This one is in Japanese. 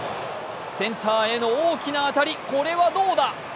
センターへの大きな当たりこれはどうだ？